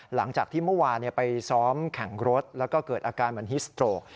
หลังจากที่เมื่อวานไปซ้อมแข่งรถแล้วก็เกิดอาการเหมือนฮิสโตรก